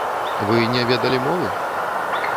Вы не ведалі мовы?